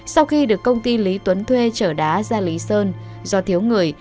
sau khi được công ty lý tuấn thuê trở đá ra lý sơn do thiếu người